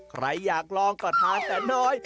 ใครอยากลองก็ทานแต่น้อย